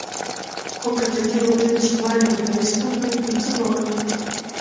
خو که د دې وطن شینوالی او ښایست وګوري نو څه به وايي.